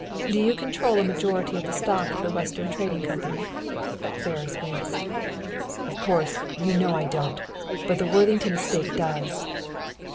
Do you control a majority of the stock of the Western Trading Company?" Ferris winced. "Of course, you know I don't; but the Worthington estate does!"